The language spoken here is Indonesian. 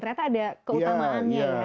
ternyata ada keutamaannya